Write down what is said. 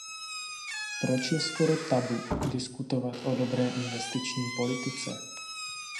Proč je skoro tabu diskutovat o dobré investiční politice?